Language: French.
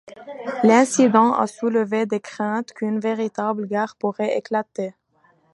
L'incident a soulevé des craintes qu'une véritable guerre pourrait éclater.